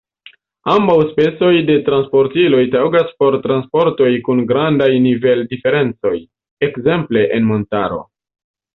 Ambaŭ specoj de transportiloj taŭgas por transportoj kun grandaj nivel-diferencoj, ekzemple en montaro.